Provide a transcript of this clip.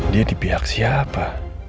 dia di pihak siapa